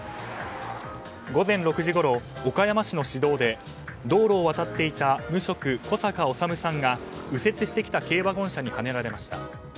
午前６時ごろ岡山市の市道で道路を渡っていた無職、小坂修さんが右折してきた軽ワゴン車にはねられました。